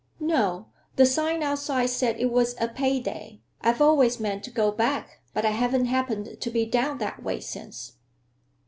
"No. The sign outside said it was a pay day. I've always meant to go back, but I haven't happened to be down that way since."